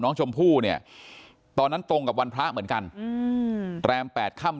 น้องชมพู่เนี่ยตอนนั้นตรงกับวันพระเหมือนกันแรม๘ค่ำ